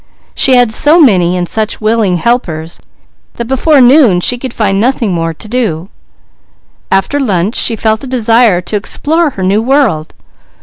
She had so many and such willing helpers that before noon she could find nothing more to do. After lunch she felt a desire to explore her new world.